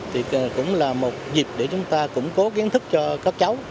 thì cũng là một dịp để chúng ta củng cố kiến thức cho các cháu